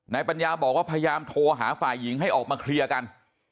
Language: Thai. ปัญญาบอกว่าพยายามโทรหาฝ่ายหญิงให้ออกมาเคลียร์กัน